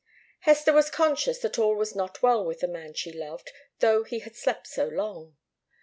Hester was conscious that all was not well with the man she loved, though he had slept so long.